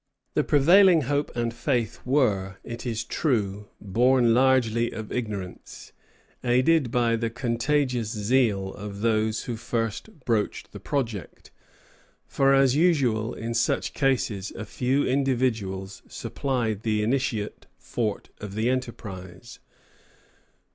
The prevailing hope and faith were, it is true, born largely of ignorance, aided by the contagious zeal of those who first broached the project; for as usual in such cases, a few individuals supplied the initiate force of the enterprise.